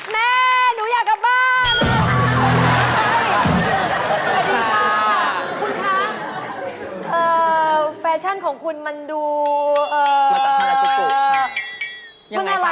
แม่หนูอยากกลับบ้าน